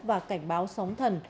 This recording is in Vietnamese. và cảnh báo sóng thần